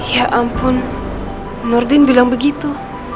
ya ampun nurdin bilang begitu